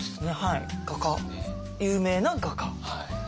有名な画家。